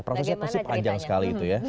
prosesnya pasti panjang sekali itu ya